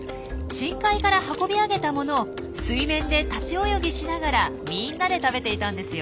深海から運び上げたものを水面で立ち泳ぎしながらみんなで食べていたんですよ。